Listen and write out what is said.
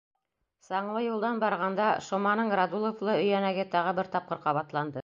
Саңлы юлдан барғанда Шоманың «Радуловлы» өйәнәге тағы бер тапҡыр ҡабатланды.